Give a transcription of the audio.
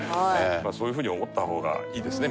そういうふうに思った方がいいですね。